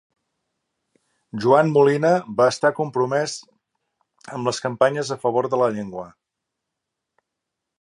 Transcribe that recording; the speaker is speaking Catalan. Joan Molina va estar compromès amb les campanyes a favor de la llengua.